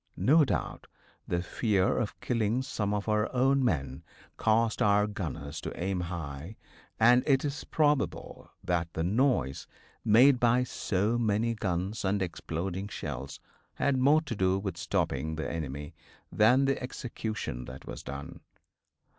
No doubt the fear of killing some of our own men caused our gunners to aim high, and it is probable that the noise made by so many guns and exploding shells had more to do with stopping the enemy than the execution that was done.